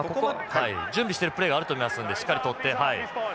準備しているプレーがあると思いますのでしっかり捕って。